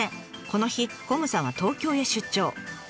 この日こむさんは東京へ出張。